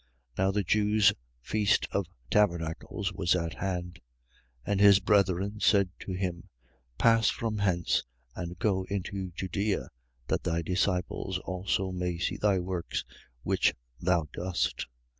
7:2. Now the Jews feast of tabernacles was at hand. 7:3. And his brethren said to, him: Pass from hence and go into Judea, that thy disciples also may see thy works which thou dost.